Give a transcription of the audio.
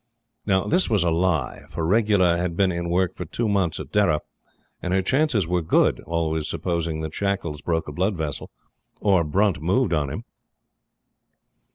Now, this was a lie, for Regula had been in work for two months at Dehra, and her chances were good, always supposing that Shackles broke a blood vessel OR BRUNT MOVED ON HIM.